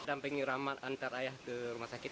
sedang pengiramat antar ayah ke rumah sakit